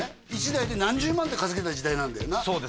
１台で何十万って稼げた時代なんだよな